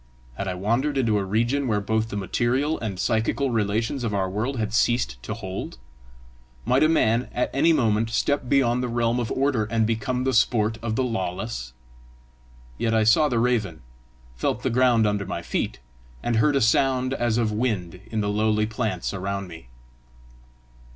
Had I wandered into a region where both the material and psychical relations of our world had ceased to hold? Might a man at any moment step beyond the realm of order, and become the sport of the lawless? Yet I saw the raven, felt the ground under my feet, and heard a sound as of wind in the lowly plants around me!